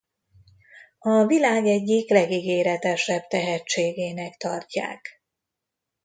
A világ egyik legígéretesebb tehetségének tartják.